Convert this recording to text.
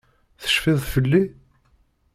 Tecfiḍ fell-i?